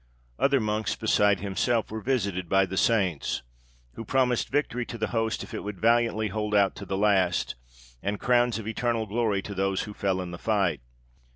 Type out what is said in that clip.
Other monks beside himself were visited by the saints, who promised victory to the host if it would valiantly hold out to the last, and crowns of eternal glory to those who fell in the fight.